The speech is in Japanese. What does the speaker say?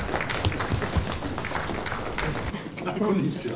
こんにちは。